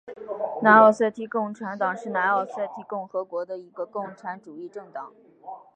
南奥塞梯共产党是南奥塞梯共和国的一个共产主义政党。